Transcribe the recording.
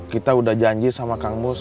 kita udah janji sama kang mus